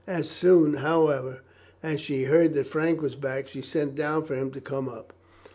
As soon, however, as she heard that Frank was back, she sent down for him to come up.